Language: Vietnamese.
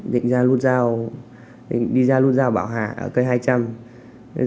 định ra lút giao đi ra lút giao bảo hạ ở cây hai trăm linh